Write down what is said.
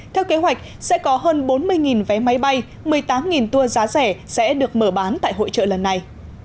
theo kế hoạch sẽ có hơn bốn mươi vé máy bay một mươi tám tour giá rẻ sẽ được mở bán tại hội trợ lần này